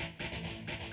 aku mau ke rumah